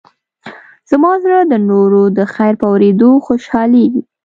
زما زړه د نورو د خیر په اورېدو خوشحالېږي.